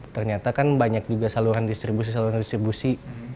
ternyata kan banyak juga saluran distribusi saluran distribusi